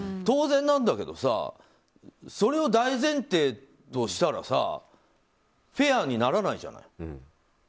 当然なんだけどそれを大前提としたらフェアにならないじゃない。